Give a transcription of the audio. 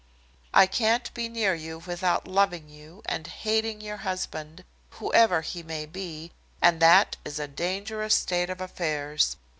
I can't be near you without loving you and hating your husband, whoever he may be, and that is a dangerous state of affairs.